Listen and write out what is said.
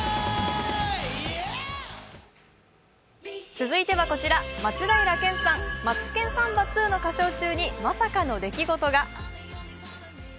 続いてはこちら、松平健さん、「マツケンサンバⅡ」の歌唱中に、まさかの出来事が。